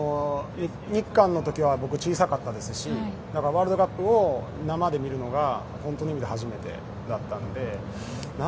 日韓の時は僕は小さかったですしワールドカップを生で見るのが本当の意味で初めてだったので。